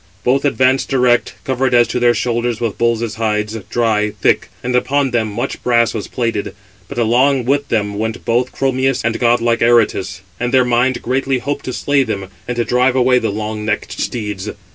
Both advanced direct, covered as to their shoulders with bulls' hides, dry, thick; and upon them much brass was plated. But along with them went both Chromius and god like Aretus: and their mind greatly hoped to slay them, and to drive away the long necked steeds.